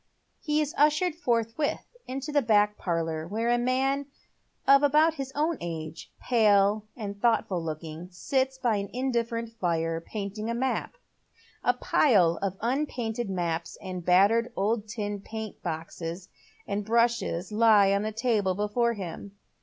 He is ushered forthwith into the back pailour, where a man of about his own age, pale and thoughtful looking, sits by an indifferent fire painting a map. A pile of unpainted maps, a battered old tin paint box and brushes lie on the table before him.